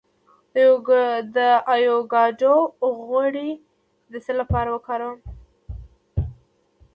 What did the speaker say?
د ایوکاډو غوړي د څه لپاره وکاروم؟